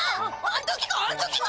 あん時かあん時か！